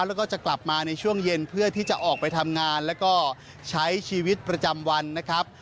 แล้วก็จะกลับมาในช่วงเย็นเพื่อที่จะออกไปทำงานแล้วก็ใช้ชีวิตประจำวันนะครับ